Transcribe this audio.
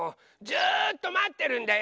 ずっとまってるんだよ。